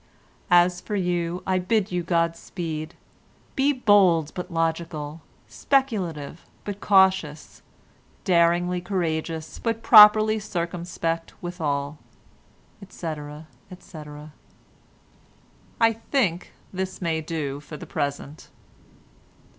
"As for you I bid you God speed. Be bold but logical, speculative but cautious, daringly courageous, but properly circumspect withal," etc., etc. I think this may do for the present.